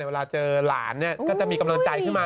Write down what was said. เวลาเจอหลานเนี่ยก็จะมีกำลังใจขึ้นมา